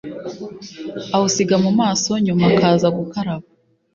awusiga mu maso nyuma akaza gukaraba